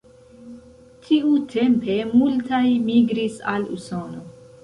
Tiutempe multaj migris al Usono.